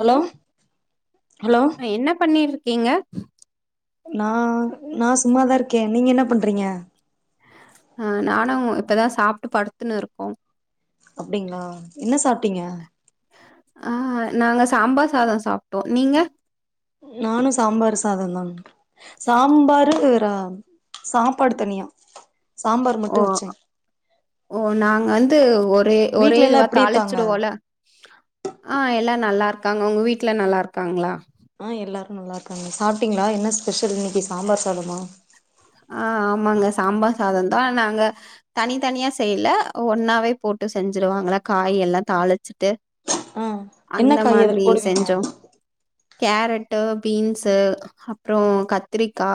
Hello hello ஏங்க நான் நான் சும்மாதான் இருக்கேன் நீங்க என்ன பண்றீங்க அ நானும் இப்பதான் சாப்பிட்டு படுத்துன்னு இருக்கோம் அப்படிங்களா என்ன சாப்பிட்டீங்க ஆ நாங்க சாம்பார் சாதம் சாப்பிட்டோம் நீங்க நானும் சாம்பார் சாதம் தான் சாம்பாரு சாப்பாடு தனியா சாம்பார் ஓ மட்டு வச்சே ஓ நாங்க வந்து ஒரே ஒரே வீட்ல எல்லா இதுவா த எப்டி இருக்காங்க தாளிச்சிடுவோல ஆஹ் எல்லாம் நல்லா இருக்கும் இருக்காங்க உங்க வீட்டில் நல்லா இருக்காங்களா ஆ எல்லாரும் நல்லா இருக்காங்க சாப்பிட்டீங்களா என்ன ஸ்பெஷல் இ சாம்பார் சாதமா ஆ ஆமாங்க சாம்பார் சாதோ தா நாங்க தனி தனியா செய்யல ஒன்னாவே போட்டு செஞ்சிருவாங்கல காய் எல்லா தாளிச்சுட்டு ஆ என்ன காய் அத்ல போடுவீங்க செஞ்சோ. கேரட்டு பீன்ஸு அப்றோ கத்ரிக்கா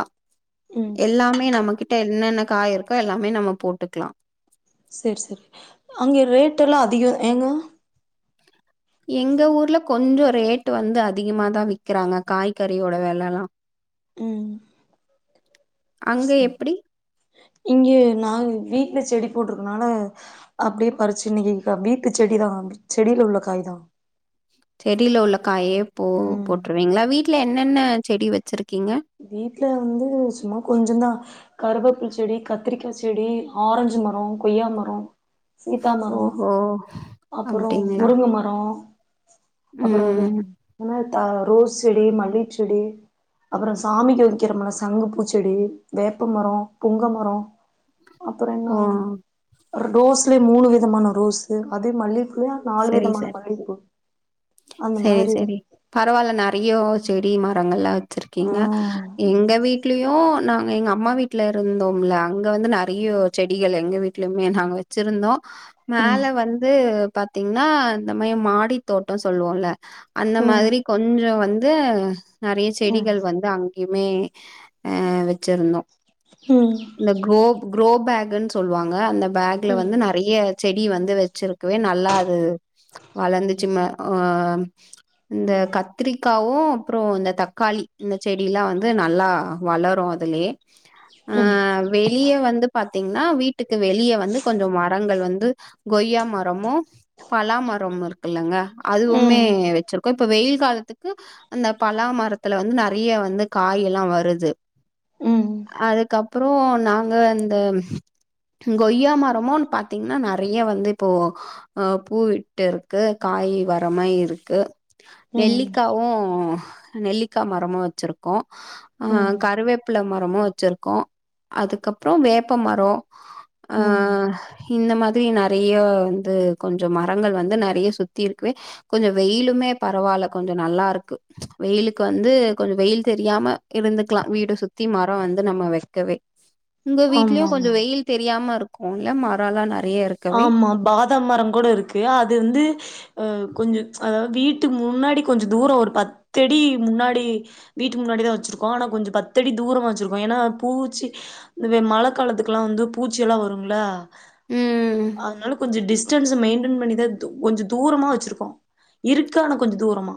ம் எல்லாமே நமக்கி ட்ட என்னென்ன காய் இருக்கோ எல்லாமே நம்ம போட்டுக்லா செர் செரி அங்க ரேட் எல்லா அதிகோ ஏங்க எங்க ஊர்ல கொஞ்சோ ரேட்டு வந்து அதிகமாதா விக்கிறாங்க காய்கறியோட வெலல்லா இங்கே நாங் வி ட்ல செடி போட்டிருக்கனால அப்டியே பறிச்சுன்னிக்கி வீட்டு செடி தா செடில உள்ள காய் தா செடில உள்ளக் காயே போ ம் போட்ருவீங்களா வீட் ட்ல என்னென்ன செடி வச்சிருக்கீங்க வீட்ல வந்து சும்மா கொஞ்சோந்தா கருவேப்பில் செடி கத்ரிக்கா செடி ஆரஞ்சு மரோ கொய்யா மரோ சீதா மரோ ஓஹோ! அப்றோ அப்டிங்களா? முருங்க மரோ அப்றோ அது ம். அனாத் தா ரோஸ் செடி மல்லிச்செடி அப்றோ சாமிக்கு ஒதிக்கிறம்ல சங்கு பூச்செடி வேப்பமரோ புங்க மரோ அப்றோ ஓ! என்ன ரோஸ்லயே மூணு விதமான ரோஸு அதே மல்லி செரி செர் அந்த செரி மாதிரி செரி பரவால்ல நறைய ஓ செடி மரங்கள்லா வச் ஆ சிருக்கீங்க எங்க வீட் ட்லியூ நாங்க எங்கம்மா வீட்ல இருந்தோம்ல அங்க வந்து நறைய செடிகள் எங்க வீட்லயுமே நாங்க வச்சிருந்தோ ம் மேல வந்து பாத்தீங்னா இந்த மயோ மாடி தோட்டே சொல்லுவோல்ல அந்த ம் மாத்ரி கொஞ்சோ வ ந்து நறைய ம் செடிகள் வந்து அங் யுமே ஆ வச்சிர்ந்தோ ம் இந்த க்ரோப் குரோபேகுன் சொல்லுவாங்க அந்த பேக்ல வந்து நறைய செடி வந்து வச்சிருக்குவே ந ல்லா அது வளந்துச்சும ஆ இந்த கத்திரிக்காவூ அப்றோ இந்த தக்காளி இந்த செடிலா வந்து நல்லா வளரூ அதுலயே ஆ ம் வே வெளியே வந்து பாத்தீங்கன்னா வீட்டுக்கு வெளியே வந்து கொஞ்சம் மரங்கள் வந்து கொய்யா மரமும் பலாமரம் இருக்கு இல்லங்க அதுவுமே ம் வச்சிருக்கோம் இப்ப வெயில் காலத்துக்கு அந்த பலாமரத்துல வந்து நறைய வந்து காய எல்லாம் வருது ம் அதுக்கப்புறம் நாங்க இந்த கொய்யா மரமும் பாத்தீங்கன்னா நறைய வந்து இப்போ அ பூவிட்டு இருக்கு காய் வரம இருக்கு ம் ம் நெல்லிக்காவும் நெல்லிக்காய் மரமும் வச்சிருக்கோம் ஆ ம் கருவேப்பில மரமும் வச்சிருக்கோம் அதுக்கப்புறம் வேப்ப மரம் ஆ ம் இந்த மாதிரி நறைய வந்து கொஞ்சம் மரங்கள் வந்து நறைய சுத்தி இருக்குவே கொஞ்சம் வெயிலுமே பரவாயில்ல கொஞ்சம் நல்லா இருக்கு வெயிலுக்கு வந்து கொஞ்சம் வெயில் தெரியாம இருந்துக்கலாம் வீட்ட சுத்தி மரம் வந்து நம்ம வைக்கவே உங்க ஆமா வீட்லயும் ஆமா கொஞ்சம் வெயில் தெரியாம இருக்கும் கோனல மறல ந ஆமா பாத மரம் கூட இருக்குது அது வந்து கொஞ்சம் அதாவது வீட்டுக்கு முன்னாடி கொஞ்சம் தூரம் ஒரு பத்தடி முன்னாடி வீட்டுக்கு முன்னாடி தான் வச்சுிருக்கோம் ஆனால் கொஞ்சம் பத்தடி தூரமாக வச்சுிருக்கோம் ஏன்னா பூச்சி இந்த மழை காலத்துக்கெல்லாம் வந்து பூச்சிெல்லாம் வருங்களா ம் அதனால கொஞ்சம் டிஸ்டன்ஸ் மெயிடன் பண்ணிதா கொஞ்சம் தூரமா வச்சிருக்கோம் இருக்கு ஆனா கொஞ்சம் தூரமா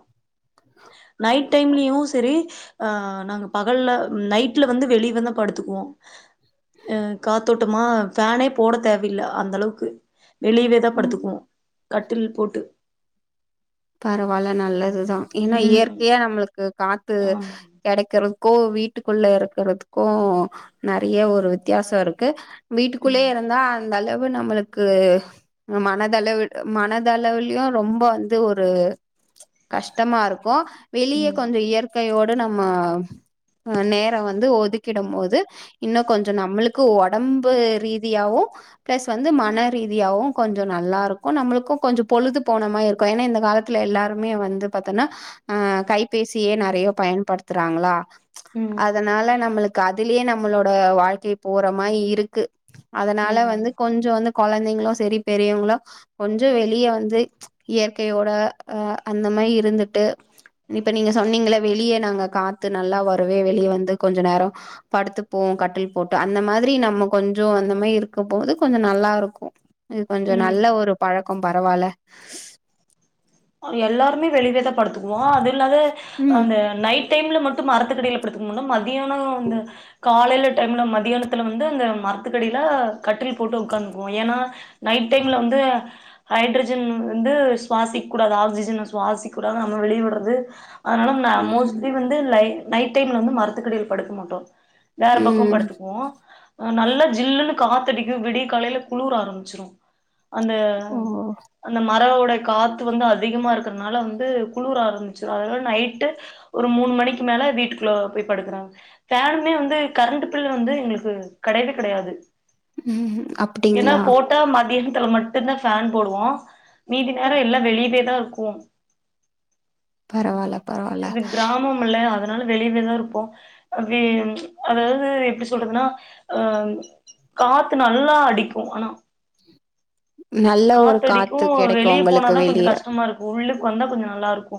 நைட் டைம்லயும் சரி ஆ நாங்க பகல்லல நைட்ல வந்து வெளிய தான் படுத்துக்குவோம் அ காத்தோட்டு மா பேனே போட தேவையில்லை அந்த அளவுக்கு க்கு வெளியவே தான் ம் படுத்துக்குவோம் கட்டில் போட்டு பரவால்ல நல்லதுதான் ஏன்னா ம் இயற்கையா நம்மளுக்கு காத்து ஆமா கடைக்கனும் கோ வீட்டுக்குள்ள இருக்கிறதுக்கும் நறைய ஒரு வித்தியாசம் இருக்கு வீட்டுக்குள்ளே ம் இருந்தா அந்தளவு நம்மளுக்கு மனதளவு மனதளவுலயு ரொம்ப வந் இது ஒரு கஷ்டமா இருக்கோம் வெளிய கொஞ்சோ இயற் கையோட நம்ம ஆ நேரம் வந்து ஒதுக் கிடம்போது இன்னு கொஞ்சோ நம்மளுக்கு ஒடம்பு ரீதியாவும் ப்ளஸ் வந்து மன ரீதியாவும் கொஞ்சோ நல்லா இருக்கும் நம்மளுக்கும் கொஞ்சோ பொழுது போன மாய் இரு க்கு ஏனா இந்த காலத்துல எல்லாருமே வந்து பாத்தன்னா அ கைபேசியே நறைய பயன்படுத்துறாங்களா ம் அதனால நம்மளுக் அதுலயே நம்பளோட வாழ்க்கை போறமா இருக்கு அதனால ம் வந்து கொஞ்சோ வந்து கொழந்தைங்களு செரி பெரியவங்களோ கொஞ்சோ வெளிய வந்து இயற்கையோட அ அந்த மார் இருந்துட்டு இப்ப நீங்க சொன்னீங்களே வெளிய நாங்க காத்து நல்லா வருவே வெளிய வந்து கொஞ்ச நேரோ படுத்துப்போ கட்டில் போட்டு அந்த மாதிரி நம்ம கொஞ்சோ அந்த மார் இருக்கும்போது கொஞ்சோ நல்லா இருக்கு இது கொஞ்சோ ம் ம் நல்ல ஒரு பழக் கும் பரவால்ல அ எல்லாருமே வெளில தா படுத்துக்குவோ அது இல்லாத ம் அந்த நைட் டைம்ல மட் மரத்துக்கடியில படுத்துக்க மாட்டோ மட் மதியானோ அந்த காலைல டைம்ல மதியானத்துல வந்து அங்க மரத்துக்கடியில கட்டில் போட்டு உக்காந்துக்குவோ ஏனா நைட் டைம்ல வந்து ஹட்ரஜன் வந்து சுவாசி க்கூடாது ஆக்சிஜன சுவாசிக்க கூடாது நம்ம வெளியுடுறது அதனால நா ம் மோஸ்ட்லி வந்து லை நைட் டைம்ல வந்து மரத்துக்கடியில படுக்க மாட்டோ வேற பக்க ம் படுத்துக்குவோ நல்லா ஜில்லுன்னு காத்தடிக்கு விடிய காலையில குளுர் ஆரம்பிச்சுரு அந்த ஓ அந்த மரோ அ காத் த்து வந்து அதிகமா இருக்கறனால வந்து குளுர ஆரம்பிச்சுரு அதனால நைட்டு ஒரு மூணு மணிக்கு மேல வீட்டுக்குள்ள போய் படுக்கறாங் ஃபேனுமே வந்து கரண்ட் பில் வந்து எங்களுக்கு கெடையவே கெடையாது ம் ஏனா அப்டிங்களா போட்டா மதிய த்துல மட்டுதா ஃபேன் போடுவோ மீதி ஓ நேரே எல்லா இதே தா இருக்கு பரவால்ல பரவால்ல இது கிராமம்ல அத அதனால வெளியவேதா இருப்போ அப்ப அதாவது எப்டி சொல்றதுனா அ காத்து நல்லா அடிக்கு ஆனா நல்ல ஒரு காத்தடிக்கு காத்து கெடைக்கு வெளிய உங்களுக்கு போனாதா வெ கொஞ்சோ கஷ்டமா இருக்கு உள்ளுக் க்கு வந்தா கொஞ்சோ நல்லா இருக்கு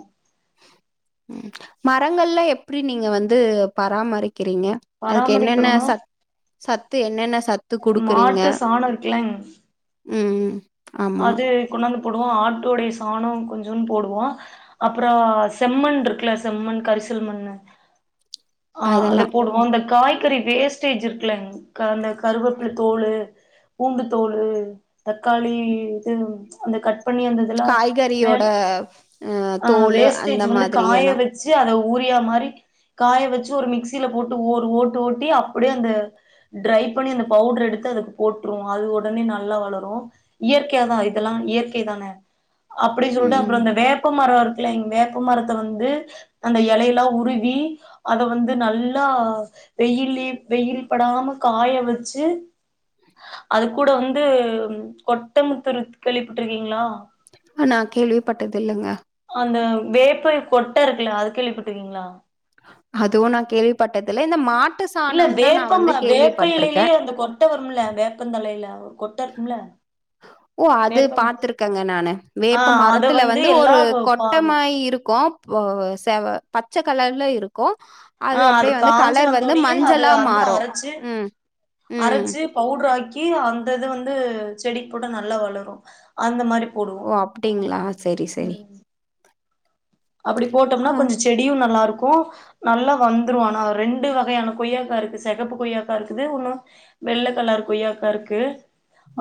ம் மரங்கள்ல எப்டி நீங்க வந்து பராமரிக் கிறிங்க அதுக்கு என்னென்ன பராமரிக்கிறோனா சத் சத்து என்னென்ன சத் மாட்டு சானோ இருக்குலங் ம் ஆமா அது கொண்டாந்து போடுவோ ஆட்டோடைய சானோ கொஞ்சோன்னு போடுவோ அப்பறோ செம்மண் இருக்குல்ல செம்மண் கரிசல்மண்ணு ஆ அத அதெல்லா போடுவோ அந்த காய்கறி வேஸ்டேஜ் இருக்குலங் அந்த கருவேப்பில தோலு பூண்டுதோலு தக்காளி இது அந்த கட் பண்ணி அந்த இதுலா மேல காய்கறியோட அ ஆ தோலு வேஸ்டேஜ் அந்த வந்து மாதிரி காய எல்லா வச்சி அத ஊரியா மாரி காய வச்சி ஒரு மிக்சில போட்டு ஓரு ஓட்டு ஓட்டி அப்படியே அந்த டிரை பண்ணி அந்த பவுடர் எடுத்து அதுக்கு போட்டுருவோ அது உடனே நல்லா வளரு இயற்கையாதா இதெல்லா இயற்கை தானே அப்டி சொல்லிட்டு அப்றோ ம் அந்த வேப்பமரோ இரு க்குல எங் வேப்பமரத்த வந்து அந்த எலையெல்லா உருவி அத வந்து நல்லா வெயில்லயே வெயில் படாம காய வச்சி அது கூட வந்து கொட் டமுத்துனு கேள்விப்பட்டுருக்கீங்ளா ஆ நா கேள்விப்பட்டது இல்லங்க அந்த வேப்ப கொட்டா இருக்குல்ல அது கேள்விப்பட்ருக்கீங்ளா அதுவு நா கேள்விப்பட்டது இல்ல இந்த மாட் இல்ல வேப்பமர வேப்ப இலைலயே அந்த கொட்ட வ ரும்ல வேப்பந்தழைல ஒரு கொட்ட இருக்கும்ல ஓ அது வேப்பம் பாத்துருக்கேங்க நானு ஆ வேப்ப அத மரத்துல வந்து எல்லா ஒரு பா கொட்டமாரி இருக்கு போ செவ பச்ச கலர்ல இருக்கு ஆ அது காஞ்சி வந்தோ னயு அத மஞ்சளா வந்து மாறும். அரைச்சி ம், ம். அரைச்சி பவுட்ராக் கி அந்த இத வந்து செடிக்கு போட்டா நல்லா வளரு அந்த மாரி போடுவோ ஓ அப்டிங்ளா செரி செரி ம் அப்டி போட்டோம்னா கொஞ்ச செடியு நல்லாருக் கு நல்லா வந்துரு ஆனா ரெண்டு வகையான கொய்யாக்கா இருக்கு செகப்பு கொய்யாக்கா இருக்குது ஒன்னு வெள்ள கலர் கொய்யாக்கா இருக்கு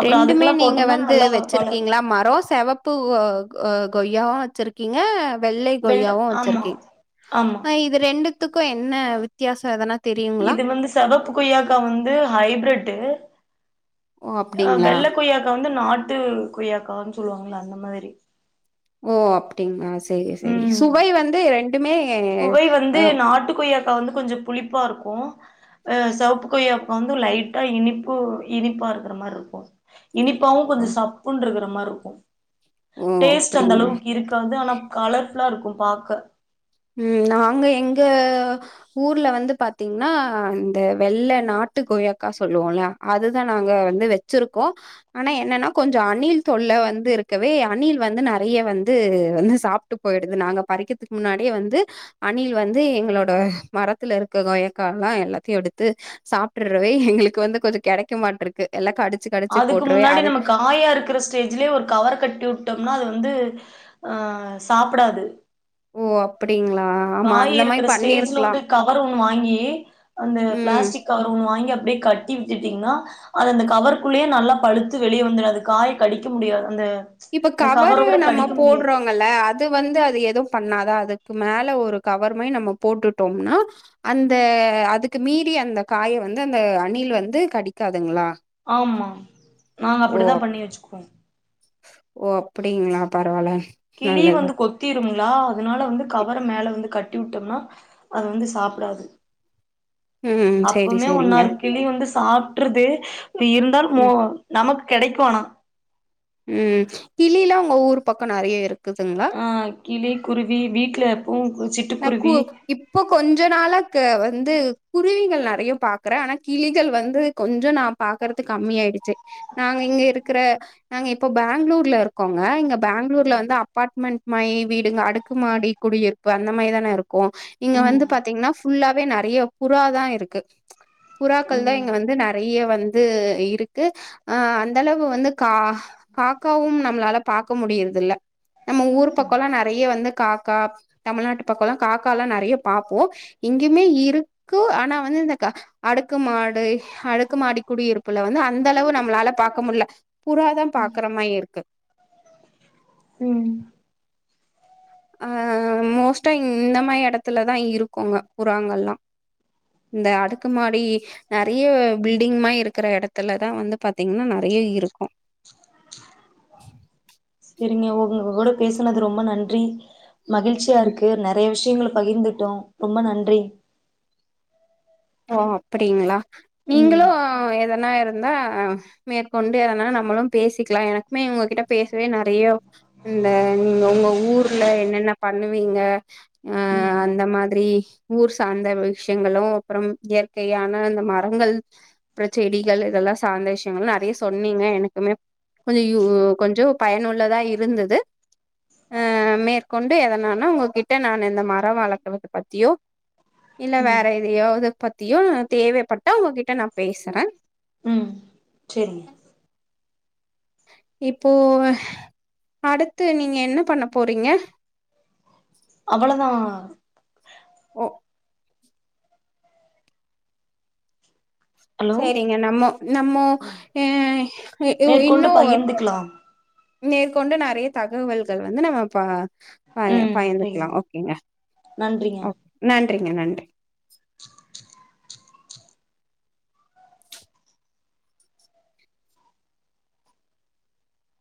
அப்றோ ரெண்டுமே அதுக்கெல்லா நீங்க போட்டோம்னா வந்து நல்லா வளரு வச்சிருக்கீங்ளா மரோ செவப்பு கொ கொய்யாவு வச்சிருக்கீங்க வெள்ளை வெள்ள கொய்யாவு ஆமா வச்சிருக்கீங் ஆமா ஆ இது ரெண்டுத்துக்கு என்ன வித் தியாசோ எதனா தெரியுங்களா? இது வந்து செவப்பு கொய்யாக்கா வந்து ஹைப்ரிட்டு ஓ! அ அப்டிங்களா? வெள்ள கொய்யாக்கா வந்து நாட்டு கொய்யாக்கானு சொல்லுவாங்கள அந்த மாதிரி ஓ அப்டிங்ளா செரி செரி ம் சுவை வந்து ரெண்டுமே சுவை வந்து நாட்டுக் கொய்யா க்கா வந்து கொஞ்சோ புளிப்பா இருக்கு அ செவப்பு கொய்யாக்கா வந்து லைட்டா இனிப்பு இனிப்பா இருக்ற மாரி இருக்கு இனிப்பாவு கொஞ்சோ சாப்புனுருக்க ற மாரி இருக்கு ஓ டேஸ்ட் அந்த அப்டிங்களா அளவுக்கு இருக்காது ஆனா கலர் ஃபுல்லா இருக்கு பாக்க ம் நாங்க எங்க ஊர்ல வந்து பார்த்தீங்கன்னா இந்த வெள்ளை நாட்டு கோயாக்கா சொல்லுவோம்ல அதுதான் நாங்க வந்து வச்சிருக்கோம் ஆனா என்னன்னா கொஞ்சோ அணில் தொல்ல வந்து இருக்கவே அணில் வந்து நெறைய வந்து வந்து சாப்பிட்டு போயிடுது நாங்க பறிக்கிறதுக்கு முன்னாடி வந்து அணில் வந்து எங்களோட மரத்துல இருக்க கொயக்காய் எல்லாம் எல்லாத்தையும் எடுத்து சாப்பிட்டுறவே எங்களுக்கு வந்து கொஞ்சோ கெடைக்க மாட்ட இருக்கு எல்லாடு அதுக்கு முன்னாடி நமக்கு ஆயா இருக்கிற ஸ்டேஜ்லயே ஒரு கவவர் கட்டி விட்டோம்னா அது வந்து ஆஹ் சாப்டாது ஓ அப்படிங்களா காய் இருக்கிற ஸ்டேஜ்ல வந்து கவர் ஒண்ணு வாங்கி அந்த ம் பிளாஸ்டிக் கவர் ஒண்ணு வாங்கி அப்படியே கட்டி விச்சட்டீங்கன்னா அது அந்த கவருக்குள்ளேயே நல்லா பழுத்து வெளியே வந்துடும் அது காய கடிக்க முடியாது அந்த இப்ப அந்த கவர் கவரோட நம்ம கடிக்க முடியாது போடுறோங்கல்ல அது வந்து அது எதுவும் பண்ணாதான் அது அதுக்கு மேல ஒரு கவர் மாி நம்ம போட்டுட்டோம்னா அந்த அதுக்கு மீறி அந்த காய வந்து அந்த அணில் வந்து கடிக்காதுங்களா ஆமா நாங்க ஓ! அப்டிதா அப் பண்ணி வச்சுருக்கோ ஓ அப்டிங்களா பரவால்ல கிளி நல்லது. வந்து கொத்திரம ந அதனால வந்து கவர மேல வந்து கட்டி கட்டி விட்டோம்னா அது வந்து சாப்டாது உம் செரி செரிங்க சாப்டறது இருந்தால் ம நமக்கு கிடைக்குானா உம் கிளிலாம் உங்க ஊர் பக்கம் நெறைய இருக்கு ஆஹ் கிளி குருவி வீட்ல எப்பவு நான் கூ சிட்டுக்குருவி இப்ப கொஞ்ச நாளா வந்து குருவிகள் நெறைய பாக்குற ஆனா கிளிகள் வந்து கொஞ்சோ நான் பாக்குறது கம்ம ஆயிடுச்சு நாங்க இங்க இருக்கிற நாங்க இப்போ பெங்களூர்ல இருக்கோங்க இங்க பெங்களூர்ல வந்து அப்பார்ட்மெண்ட் மாரி வீடுங்க அடுக்குமாடி குடியிரு அந்த மாரிதான இருக்கும் இங்க வந்து ம் பாத்தீங்கன்னா ஃபுல்லாவே நிறைய புற தான் இருக்கு புறாக்கள் தான் ம் இங்க வந்து நெறைய வந்து இருக்கு ஆஹ் அந்தளவு வந்து கா காக்காவும் நம்மளால பாார்கக்க முடியறது இல்ல நம்ம ஊர் பக்கம்ல்லாம் நெறைய வந்து காக்கா தமிழ்நாட்டு பக்கோ எல்லாம் காக்கா எல்லாம் நெறைய பார்பப்போம் இங்கேுமே இருக்கு ஆனா வந்து இந்த அடுக்குமாடு அடுக்குமாடி குடியிருப்புல வந்து அந்த அளவு நம்மளால பாார்கக்க முடியல புறாதான் பாக்குற மாதிரி இருக்கு ம் அ மோஸ்ட்டா இந்த மாய் எடத்துலதா இருக்குங்க புறாங்கள்ல்லா இந்த அடுக்குமாடி நறைய பில்டிங் மாய் இருக்குற எடத்துலதா வந்து பாத்தீங்கனா நறைய இருக்கும் செரிங்க உங்க கூட பேசுனது ரொம்ப நன்றி மகிழ்ச்சியா இருக்கு நறைய விஷ் யங்கள பகிர்ந்துட்டோ ரொம்ப நன்றி ஓ அப்டிங்ளா ம் நீங்களு எத ன இருந்தா மேற்கொண்டு எதனாலு நம்மளும் பேசிக்கலா எனக்குமே உங்ககிட்ட பேசவே நெறைய இந்த நீங்க உங்க ஊர்ல என்னென்ன பண்ணுவீங்க அ ம் அந்த மாதிரி ஊர் சார்ந்த விஷ்யங்களு அப்றம் இயற்கையான அந்த மரங்கள் அப்றோ செடிகள் இதெல்லா சாந்த விஷயங்கள் நறைய சொன்னீங்க எனக்குமே கொஞ்ச யூ கொஞ்சோ பயனுள்ளதா இருந்தது அ மேற்கொண்டு எதனான்னா உங்ககிட்ட நா இந்த மரம் வளர்க்கறத பத்தியோ இல்ல ம் வேற எதையோ எத பத்தியும் தேவைப்பட்டா உங்ககிட்ட நா பேசுறே ம் செரிங்க இப்போ அடுத்து நீங்க என்ன பண்ண போறீங்க அவ்வளதா ஒ ஹலோ செரிங்க நம்மோ நம்மோ அ இ உ இன்னூ மேற்கொண்டு பகிர்ந்துக்கலாம் மேற்கொண்டு நறைய தகவல்கள் வந்து நம்ம ப ப ம் பயந்துக்கலா பகிர்ந்து ஓகேங்க நன்றிங்க ஒக் நன் றிங்க நன்றி